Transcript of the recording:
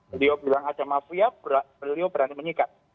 beliau bilang ada mafia beliau berani menyikat